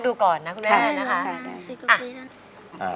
ต่อมาคุณแม่ชนให้แหละ